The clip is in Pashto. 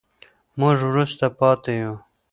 موږ وروسته پاتې يو.